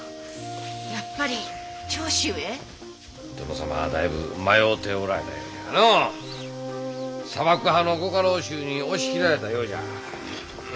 殿様はだいぶ迷うておられたようじゃがの佐幕派の御家老衆に押し切られたようじゃ。